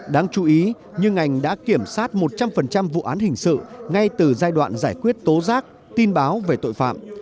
đáng chú ý như ngành đã kiểm soát một trăm linh vụ án hình sự ngay từ giai đoạn giải quyết tố giác tin báo về tội phạm